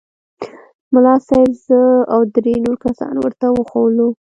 ملا صاحب زه او درې نور کسان ورته وښوولو.